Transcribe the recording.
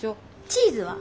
チーズは？